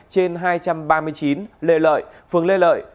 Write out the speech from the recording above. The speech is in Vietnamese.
trên hai trăm ba mươi chín lê lợi phường lê lợi